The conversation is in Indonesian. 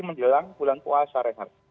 menjelang bulan puasa renat